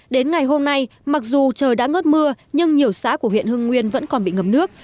đến ngày hôm nay mặc dù trời đã ngớt mưa nhưng nhiều xã của huyện hưng nguyên vẫn còn bị ngập nước